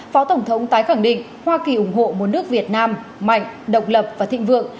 phó tổng thống tái khẳng định hoa kỳ ủng hộ một nước việt nam mạnh độc lập và thịnh vượng